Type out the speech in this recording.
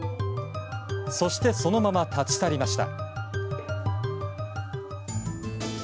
そしてそのまま立ち去りました。